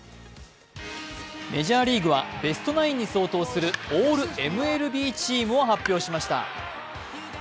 メジャーリーグはベストナインに相当するオールＭＬＢチームを発表しました。